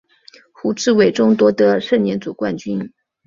胡志伟中夺得盛年组冠军。